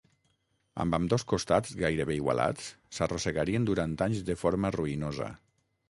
Amb ambdós costats gairebé igualats, s'arrossegarien durant anys de forma ruïnosa.